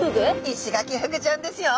イシガキフグちゃんですよ。